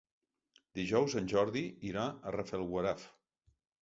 Dijous en Jordi irà a Rafelguaraf.